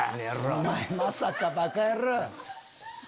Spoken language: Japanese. お前まさかバカ野郎！